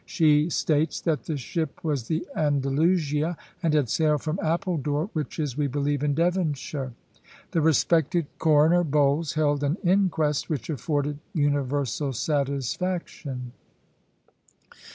She states that the ship was the Andalusia, and had sailed from Appledore, which is, we believe, in Devonshire. The respected Coroner Bowles held an inquest, which afforded universal satisfaction."